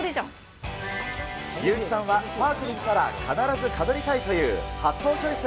優木さんはパークに来たら必ずかぶりたいというハットをチョイス。